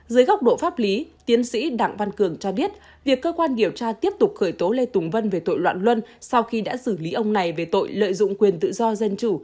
dưới góc độ pháp lý tiến sĩ đặng văn cường cho biết việc cơ quan điều tra tiếp tục khởi tố lê tùng vân về tội loạn luân sau khi đã xử lý ông này về tội lợi dụng quyền tự do dân chủ